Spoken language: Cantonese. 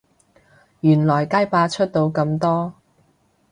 原來街霸出到咁多